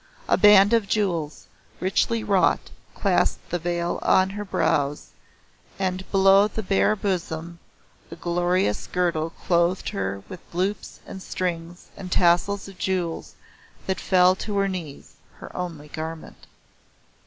A band of jewels, richly wrought, clasped the veil on her brows, and below the bare bosom a glorious girdle clothed her with loops and strings and tassels of jewels that fell to her knees her only garment.